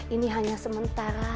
ini hanya sementara